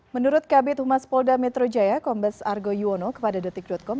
menurut kabit humas polda metro jaya kombes argo yuwono kepada detik com